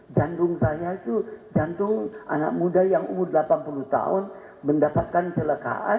jantung saya itu jantung anak muda yang umur delapan puluh tahun mendapatkan celekaan